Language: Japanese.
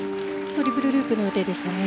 トリプルループの予定でしたね。